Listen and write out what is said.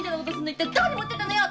一体どこに持ってったのよ！